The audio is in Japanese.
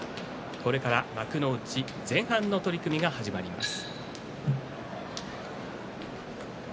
これから幕内前半の取組が始まります。